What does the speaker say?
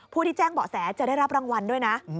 ผู้ที่แจ้งเบาะแสจะได้รับรางวัลด้วยนะ